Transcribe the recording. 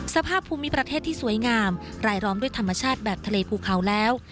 สภาพภูมิประเทศที่สวยงามรายล้อมด้วยธรรมชาติแบบทะเลภูเขาแล้ว